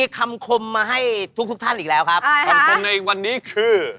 คำข้อมในวันนี้คือ